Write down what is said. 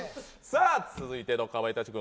続いてのかまいたち軍